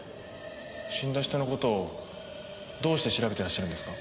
死んだ人のことをどうして調べてらっしゃるんですか？